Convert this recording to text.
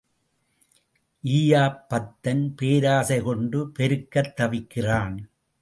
ஈயாப் பத்தன் பேராசை கொண்டு பெருக்கத் தவிக்கிறான்.